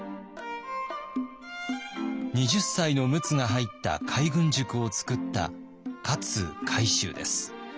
２０歳の陸奥が入った海軍塾を作った勝海舟です。